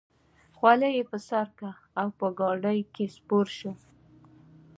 خولۍ یې پر سر کړه او په ګاډۍ کې سپور شو.